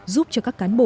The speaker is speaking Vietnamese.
giúp cho các cán bộ